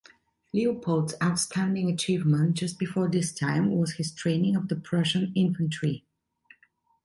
Leopold's outstanding achievement just before this time was his training of the Prussian infantry.